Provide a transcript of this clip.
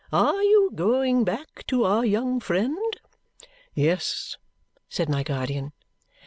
"Are you going back to our young friend?" "Yes," said my guardian.